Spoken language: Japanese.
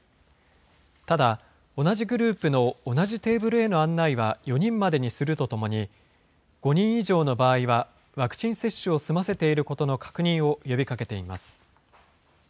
ただ、同じグループの同じテーブルへの案内は４人までにするとともに、５人以上の場合はワクチン接種を済ませていることの確認を呼びかけています。